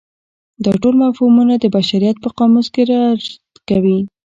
دا ټول مفهومونه د بشریت په قاموس کې درج کوي.